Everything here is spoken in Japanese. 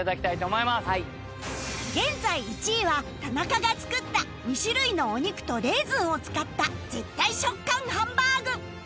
現在１位は田仲が作った２種類のお肉とレーズンを使った絶対食感ハンバーグ